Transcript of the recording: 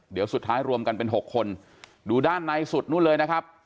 เดี๋ยวสุดท้ายรวมกันเป็น๖คนดูด้านในสุดนู่นเลยนะครับ